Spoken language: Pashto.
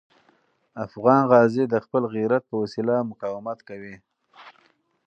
افغان غازي د خپل غیرت په وسیله مقاومت کوي.